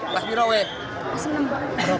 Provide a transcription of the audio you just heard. lah biru weh pasang nombor